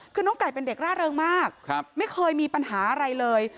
คือน้องไก่เป็นเด็กร่าเริงมากไม่เคยมีปัญหาอะไรเลย